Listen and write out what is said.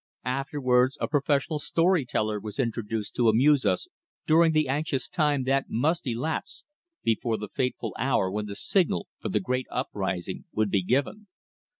Afterwards, a professional story teller was introduced to amuse us during the anxious time that must elapse before the fateful hour when the signal for the great uprising would be given.